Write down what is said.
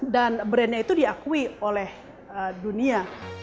dan brand nya itu diakui oleh dunia